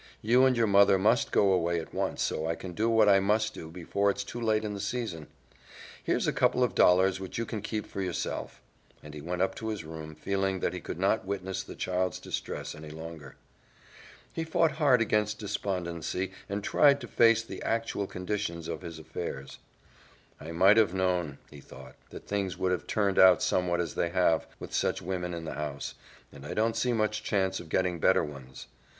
You and your mother must go away at once, so I can do what I must do before it's too late in the season. Here's a couple of dollars which you can keep for yourself," and he went up to his room, feeling that he could not witness the child's distress any longer. He fought hard against despondency and tried to face the actual condition of his affairs. "I might have known," he thought, "that things would have turned out somewhat as they have, with such women in the house, and I don't see much chance of getting better ones.